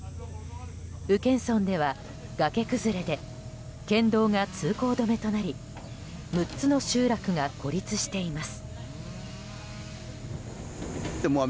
宇検村では、崖崩れで県道が通行止めとなり６つの集落が孤立しています。